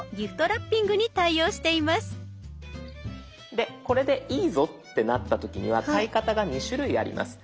でこれでいいぞってなった時には買い方が２種類あります。